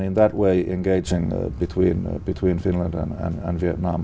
rất tuyệt vời để làm